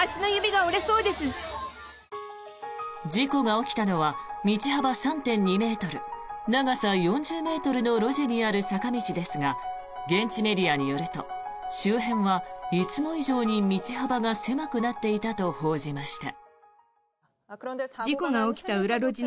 事故が起きたのは道幅３．２ｍ、長さ４０ｍの路地にある坂道ですが現地メディアによると周辺は、いつも以上に道幅が狭くなっていたと報じました。